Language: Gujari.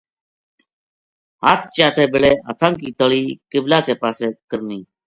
ہتھ چاتے بلے ہتھاں کی تلی قبلے کے پاسے کرنی۔